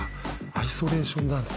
アイソレーションダンス。